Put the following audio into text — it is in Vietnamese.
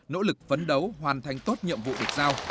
nỗ lực phấn đấu hoàn thành tốt nhiệm vụ được giao